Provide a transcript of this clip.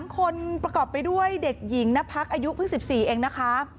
๓คนประกอบไปด้วยเด็กหญิงนพักอายุเพิ่ง๑๔เองนะคะ